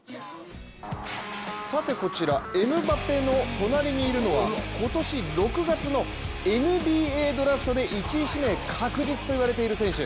さて、こちらエムバペの隣にいるのは今年６月のＮＢＡドラフトで１位指名確実といわれている選手。